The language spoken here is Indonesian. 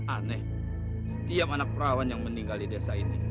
aneh setiap anak perawan yang meninggal di desa ini